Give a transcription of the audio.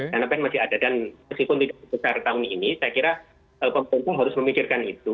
dan meskipun tidak besar tahun ini saya kira pemerintah harus memikirkan itu